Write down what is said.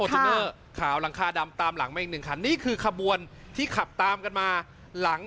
จูเนอร์ขาวหลังคาดำตามหลังมาอีกหนึ่งคันนี่คือขบวนที่ขับตามกันมาหลัง